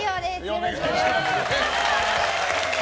よろしくお願いします。